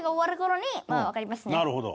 なるほど。